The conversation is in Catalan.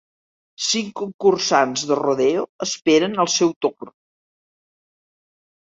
Cinc concursants de rodeo esperen el seu torn.